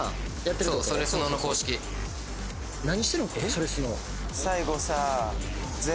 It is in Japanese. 「それスノ」